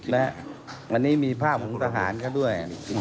นะฮะอันนี้มีภาพของทหารก็ด้วย